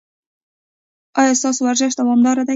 ایا ستاسو ورزش دوامدار دی؟